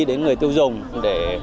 đến người tiêu dùng để